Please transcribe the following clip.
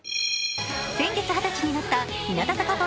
先月二十歳になった日向坂４６